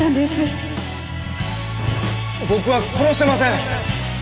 僕は殺してません！